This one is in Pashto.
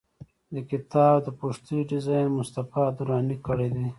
د کتاب د پښتۍ ډیزاین مصطفی دراني کړی دی.